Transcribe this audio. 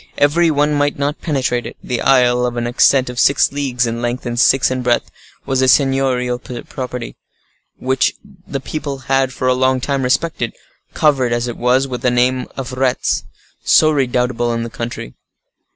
Every one might not penetrate it: the isle, of an extent of six leagues in length, and six in breadth, was a seignorial property, which the people had for a long time respected, covered as it was with the name of Retz, so redoubtable in the country.